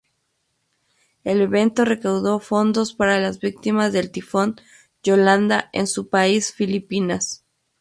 El evento recaudó fondos para las víctimas del tifón Yolanda en su país Filipinas.